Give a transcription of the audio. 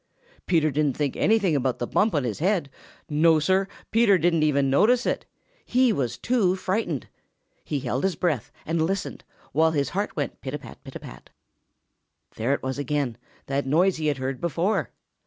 Peter didn't think anything about the bump on his head! No, Sir, Peter didn't even notice it. He was too frightened. He held his breath and listened, while his heart went pit a pat, pit a pat. There it was again, that noise he had heard before!